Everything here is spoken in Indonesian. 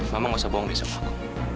mama gak usah bohong deh sama aku